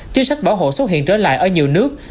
chính sách bảo hộ xuất hiện trở lại ở nhiều nước